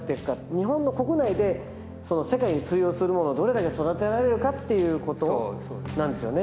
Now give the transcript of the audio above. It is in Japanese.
日本の国内で世界に通用するものをどれだけ育てられるかっていうことなんですよね。